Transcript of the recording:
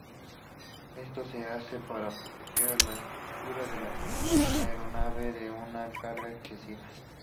Esto se hace para proteger la estructura de la aeronave de una carga excesiva.